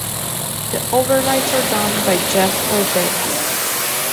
The overnights are done by Jeff Corbett.